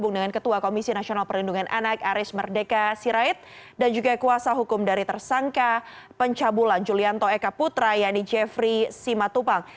dan juga kuasa hukum dari tersangka pencabulan julianto eka putra yanni jeffrey simatupang